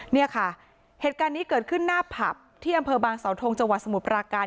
เนี่ยค่ะเหตุการณ์นี้เกิดขึ้นหน้าผับที่อำเภอบางสาวทงจังหวัดสมุทรปราการ